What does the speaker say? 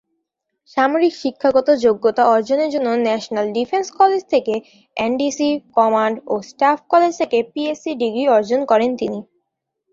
সামরিক শিক্ষাগত যোগ্যতা অর্জনের জন্য ন্যাশনাল ডিফেন্স কলেজ থেকে এনডিসি, কমান্ড ও স্টাফ কলেজ থেকে পিএসসি ডিগ্রি অর্জন করেন তিনি।